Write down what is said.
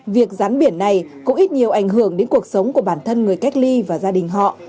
việc rắn biển này cũng ít nhiều ảnh hưởng đến cuộc sống của bản thân người cách ly và gia đình họ